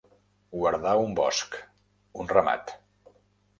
Guardar un bosc, un ramat.